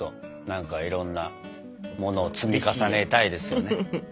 何かいろんなものを積み重ねたいですよね。